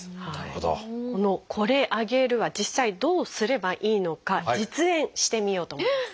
この「これあげる」は実際どうすればいいのか実演してみようと思います。